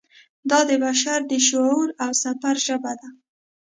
دا د بشر د شعور او سفر ژبه ده.